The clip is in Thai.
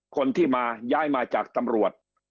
คนที่มาย้ายมาจากตำรวจ